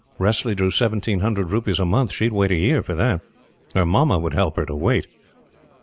Wressley drew seventeen hundred rupees a month. She would wait a year for that. Her mamma would help her to wait.